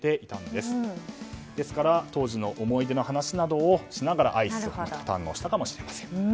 ですから当時の思い出の話などをしながらアイスを堪能したのかもしれません。